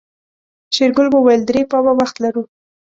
شېرګل وويل درې پاوه وخت لرو.